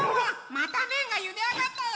まためんがゆであがったよ！